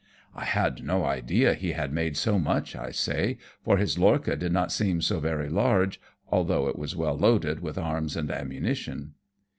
" I had no idea he had made so much," I say, " for his lorcha did not seem so very large, although it was well loaded with arms and ammunition."